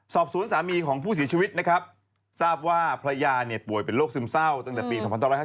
สอบศูนย์สามีของผู้สีชีวิตทราบว่าพระยาป่วยเป็นโรคซึมเศร้าตั้งแต่ปี๒๑๕๔